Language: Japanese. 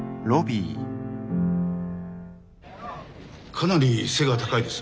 かなり背が高いです。